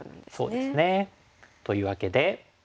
そうですね。というわけで。